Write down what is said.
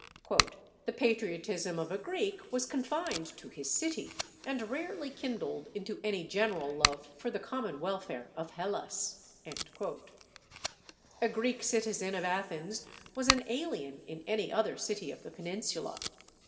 "The patriotism of a Greek was confined to his city, and rarely kindled into any general love for the common welfare of Hellas." [Footnote 22: Smith.] A Greek citizen of Athens was an alien in any other city of the peninsula.